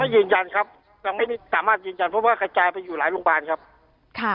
ยืนยันครับยังไม่สามารถยืนยันเพราะว่ากระจายไปอยู่หลายโรงพยาบาลครับค่ะ